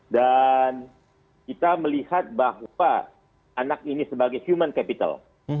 dan kita melihat bahwa anak ini sebagai human capital